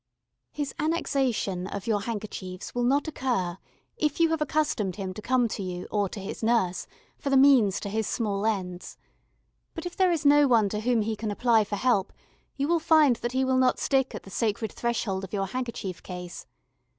] His annexation of your handkerchiefs will not occur if you have accustomed him to come to you or to his nurse for the means to his small ends; but if there is no one to whom he can apply for help, you will find that he will not stick at the sacred threshold of your handkerchief case.